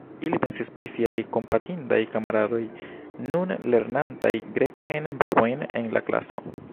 Ili pensis pri siaj kompatindaj kamaradoj, nun lernantaj grekajn verbojn en la klaso.